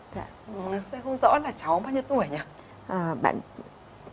không rõ là cháu bao nhiêu tuổi nhỉ